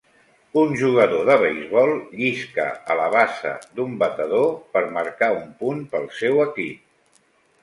Un jugador de beisbol llisca a la base d"un batedor per marcar un punt pel seu equip.